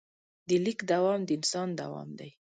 د لیک دوام د انسان دوام دی.